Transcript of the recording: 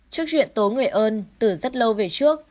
trước chuyện tố người ơn từ rất lâu về trước